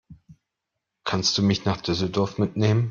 Kannst du mich nach Düsseldorf mitnehmen?